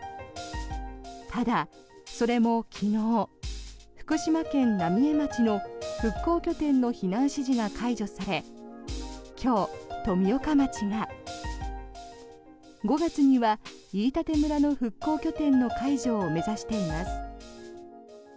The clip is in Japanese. ただ、それも昨日福島県浪江町の復興拠点の避難指示が解除され今日、富岡町が５月には飯舘村の復興拠点の解除を目指しています。